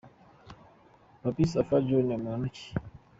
Papy Safa John ni muntu ki?.